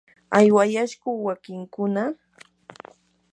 ¿aywayashku wakinkuna?